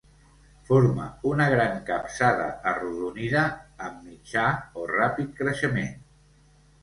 Forma una gran capçada arrodonida amb mitjà o ràpid creixement.